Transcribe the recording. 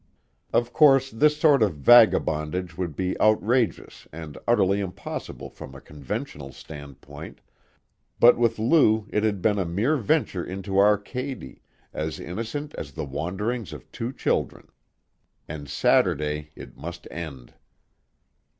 Of course, this sort of vagabondage would be outrageous and utterly impossible from a conventional standpoint, but with Lou it had been a mere venture into Arcady, as innocent as the wanderings of two children. And Saturday it must end!